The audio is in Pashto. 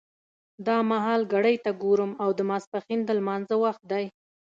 دا مهال ګړۍ ته ګورم او د ماسپښین د لمانځه وخت دی.